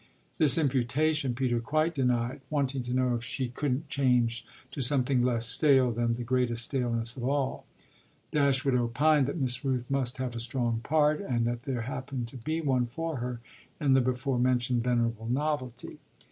This imputation Peter quite denied, wanting to know if she couldn't change to something less stale than the greatest staleness of all. Dashwood opined that Miss Rooth must have a strong part and that there happened to be one for her in the before mentioned venerable novelty.